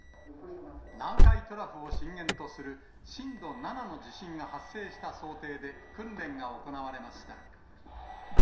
南海トラフを震源とする震度７の地震が発生した想定で、訓練が行われました。